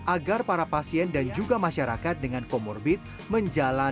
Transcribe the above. agar para pasien dan juga masyarakat dengan komorbit menjalan